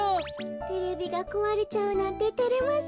テレビがこわれちゃうなんててれますね。